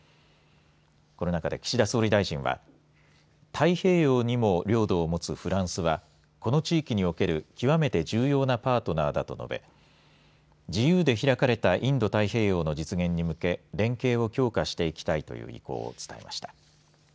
この中で岸田総理大臣は太平洋にも領土を持つフランスはこの地域における極めて重要なパートナーだと述べ自由で開かれたインド太平洋の実現に向け連携を強化していきたいという意向を伝えました。